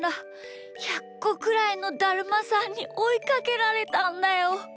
１００こくらいのだるまさんにおいかけられたんだよ。